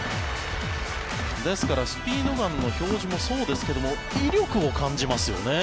ですから、スピードガンの表示もそうですけれど威力を感じますよね。